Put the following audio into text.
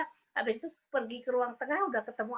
habis itu pergi ke ruang tengah sudah ketemu